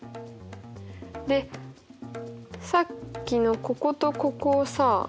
でさっきのこことここをさ。